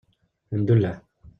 Ḥemdullah.